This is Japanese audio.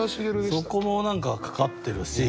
そこも何かかかってるし。